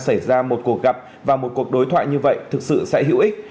xảy ra một cuộc gặp và một cuộc đối thoại như vậy thực sự sẽ hữu ích